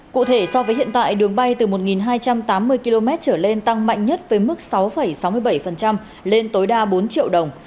cụ thể so với hiện tại đường bay từ một hai trăm tám mươi km trở lên tăng mạnh nhất với mức sáu sáu mươi bảy lên tối đa bốn triệu đồng